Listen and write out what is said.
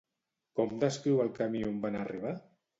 Com descriu el camí on van arribar?